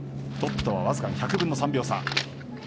トップとは僅かに１００分の３秒差。